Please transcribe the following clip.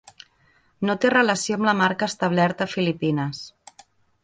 No té relació amb la marca establerta a Filipines.